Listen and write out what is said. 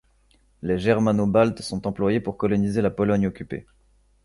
Les Germano-Baltes sont employés pour coloniser la Pologne occupée.